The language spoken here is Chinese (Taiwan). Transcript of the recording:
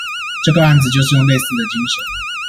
這個案子就是用類似的精神